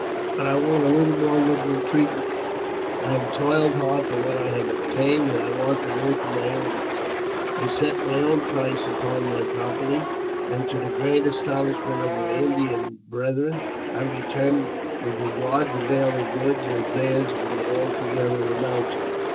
But I want a little more liberal treatment. I have toiled hard for what I have obtained, and I want the worth of my earnings." I set my own price upon my property, and, to the great astonishment of my Indian brethren, I returned with as large a bale of goods as theirs would all together amount to.